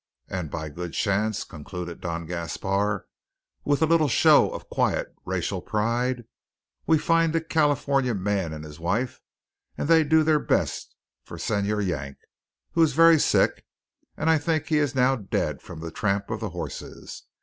And by good chance," concluded Don Gaspar with a little show of quiet racial pride, "we find a California man and his wife, and they do their bes' for Señor Yank, who is very essick, and I think he is now dead from the tramp of the horses.